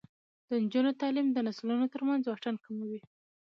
د نجونو تعلیم د نسلونو ترمنځ واټن کموي.